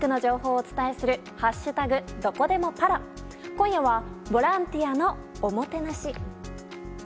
今夜はボランティアのおもてなし。